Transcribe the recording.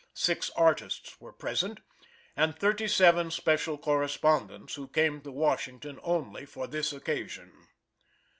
Six artists were present, and thirty seven special correspondents, who came to Washington only for this occasion.